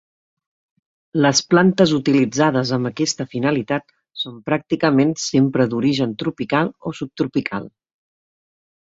Les plantes utilitzades amb aquesta finalitat són pràcticament sempre d’origen tropical o subtropical.